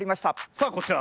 さあこちら。